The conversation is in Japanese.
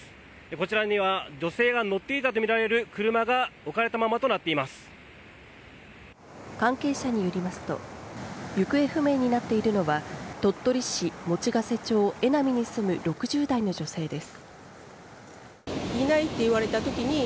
こちらには女性が乗っていたとみられる車が関係者によりますと行方不明になっているのは鳥取市用瀬町江波に住む６０代の女性です。